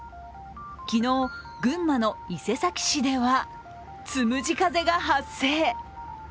昨日、群馬の伊勢崎市では、つむじ風が発生。